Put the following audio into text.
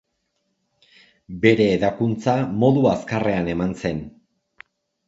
Bere hedakuntza modu azkarrean eman zen.